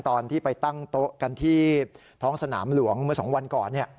ตอนที่ไปตั้งโต๊ะกันที่ท้องสนามหลวงเมื่อ๒วันก่อน